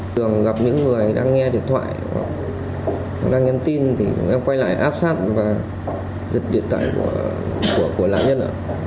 thường gặp những người đang nghe điện thoại đang nhắn tin thì em quay lại áp sát và giật điện thoại của lãnh nhân